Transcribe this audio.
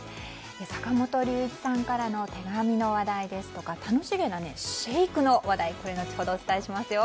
坂本龍一さんからの手紙の話題ですとか楽しげなシェイクの話題後ほどお伝えしますよ。